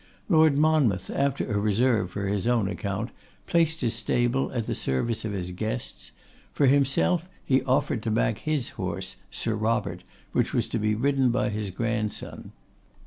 Lord Monmouth, after a reserve for his own account, placed his stable at the service of his guests. For himself, he offered to back his horse, Sir Robert, which was to be ridden by his grandson.